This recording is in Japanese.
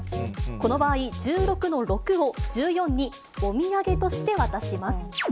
この場合、１６の６を１４におみやげとして渡します。